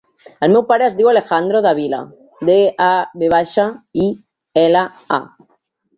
El meu pare es diu Alejandro Davila: de, a, ve baixa, i, ela, a.